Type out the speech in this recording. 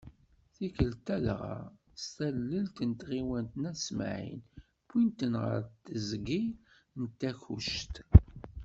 Tikkelt-a dɣa, s tallelt n tɣiwant n At Smaɛel, wwin-ten ɣer teẓgi n Takkuct.